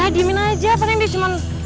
ya diamin aja paling dia cuma